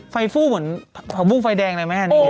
ไฟฟู้เหมือนพลังวูกไฟแดงเลยไหมครับ